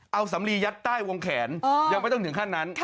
เอาสำลียัดใต้วงแขนยังไม่ต้องถึงขั้นนั้น